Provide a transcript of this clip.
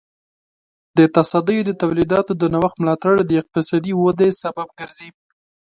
د تصدیو د تولیداتو د نوښت ملاتړ د اقتصادي ودې سبب ګرځي.